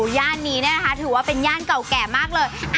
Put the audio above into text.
ย่านนี้เนี่ยนะคะถือว่าเป็นย่านเก่าแก่มากเลย